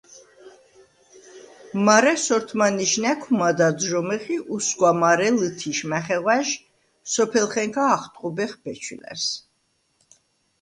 მარე სორთმანიშ ნა̈ქვ მად ადჟომეხ ი უსგვა მარე ლჷთიშ მახეღვა̈ჟ სოფელხენქა ახტყუბეხ ბეჩვილა̈რს.